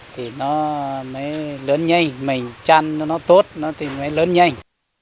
thì nó mới lớn nhanh mình chăn cho nó tốt nó thì mới lớn nhanh